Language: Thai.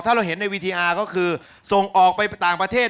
ถ้าเราเห็นในวีทีอาร์ก็คือส่งออกไปต่างประเทศ